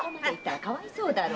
かわいそうだろ。